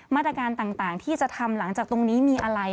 มาตรการต่างที่จะทำหลังจากตรงนี้มีอะไร